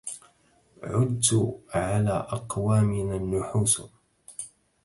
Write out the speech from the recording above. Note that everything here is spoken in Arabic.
عدت على أقوامنا النحوس